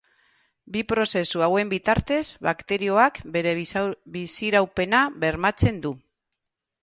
Bi prozesu hauen bitartez bakterioak bere biziraupena bermatzen du.